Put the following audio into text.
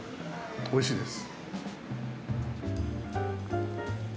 おいしいです。